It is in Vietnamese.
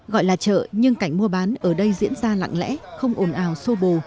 gọi là chợ nhưng cảnh mua bán ở đây diễn ra lặng lẽ không ồn ào sô bồ